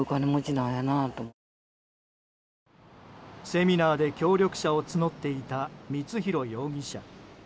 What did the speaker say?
セミナーで協力者を募っていた光弘容疑者。